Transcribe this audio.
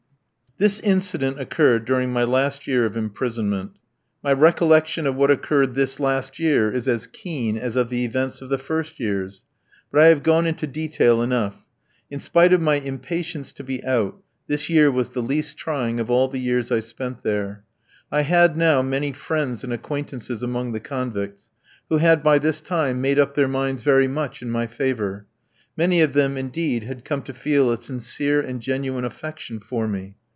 This incident occurred during my last year of imprisonment. My recollection of what occurred this last year is as keen as of the events of the first years; but I have gone into detail enough. In spite of my impatience to be out, this year was the least trying of all the years I spent there. I had now many friends and acquaintances among the convicts, who had by this time made up their minds very much in my favour. Many of them, indeed, had come to feel a sincere and genuine affection for me.